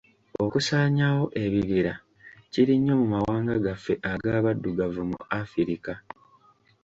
Okusaanyawo ebibira kiri nnyo mu mawanga gaffe ag'abaddugavu mu Afirika